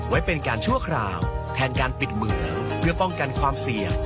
ไว้เป็นการชั่วคราวแทนการปิดเหมืองเพื่อป้องกันความเสี่ยง